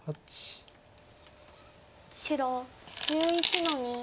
白１１の二。